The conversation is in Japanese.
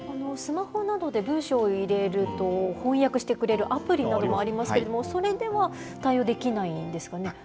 スマホなどで文章を入れると、翻訳してくれるアプリなどもありますけれども、それでは対応できないんですかね？